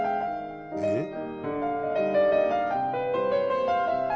えっ？